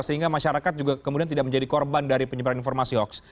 sehingga masyarakat juga kemudian tidak menjadi korban dari penyebaran informasi hoax